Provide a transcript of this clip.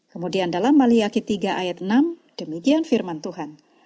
kemudian dalam maliyaki tiga ayat enam demikian firman tuhan